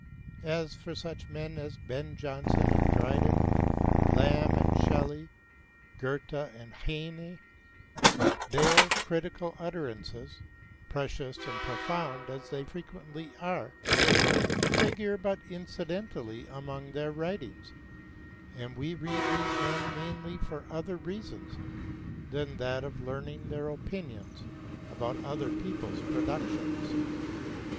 As for such men as Ben Jonson and Dryden, Lamb and Shelley, Goethe and Heine, their critical utterances, precious and profound as they frequently are, figure but incidentally among their writings, and we read these men mainly for other reasons than that of learning their opinions about other people's productions.